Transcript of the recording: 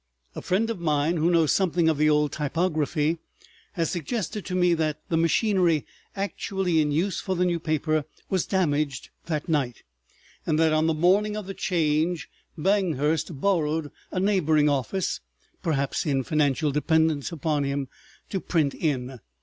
A friend of mine, who knows something of the old typography, has suggested to me that the machinery actually in use for the New Paper was damaged that night, and that on the morning of the Change Banghurst borrowed a neighboring office—perhaps in financial dependence upon him—to print in.